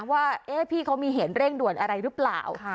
ว่าพี่เขามีเหตุเร่งด่วนอะไรหรือเปล่า